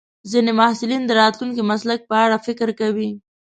ځینې محصلین د راتلونکي مسلک په اړه فکر کوي.